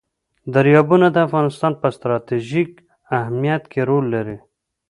دریابونه د افغانستان په ستراتیژیک اهمیت کې رول لري.